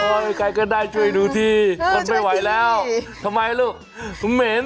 ใครก็ได้ช่วยดูทีทนไม่ไหวแล้วทำไมลูกผมเหม็น